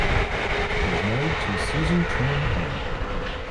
He was married to Susan Train Hand.